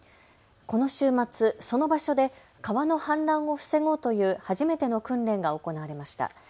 この週末その場所で川の氾濫を防ごうという初めての訓練が行われました。